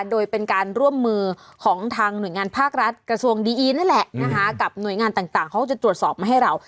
โดยเป็นการร่วมมือของทางหน่วยงานภาครัฐกระทรวงดีอีนนั่นแหละนะคะกับหน่วยงานต่างเขาก็จะตรวจสอบมาให้เรา